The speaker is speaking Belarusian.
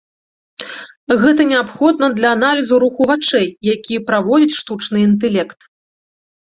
Гэта неабходна для аналізу руху вачэй, які праводзіць штучны інтэлект.